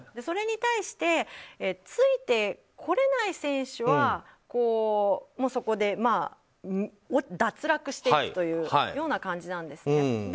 それに対してついてこれない選手はもう、そこで脱落していくというような感じなんですね。